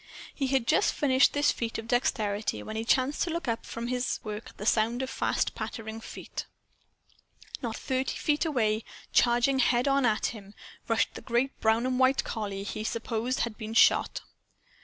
He had just finished this feat of dexterity when he chanced to look up from his work at sound of fast pattering feet. Not thirty feet away, charging head on at him, rushed the great brown and white collie he supposed had been shot.